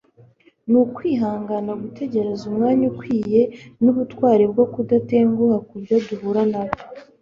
ni ukwihangana gutegereza umwanya ukwiye nubutwari bwo kudatenguha kubyo duhura nabyo